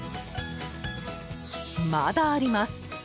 まだあります！